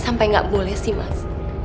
sampai nggak boleh sih mas